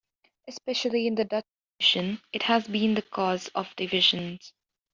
Especially in the Dutch tradition, it has been the cause of divisions.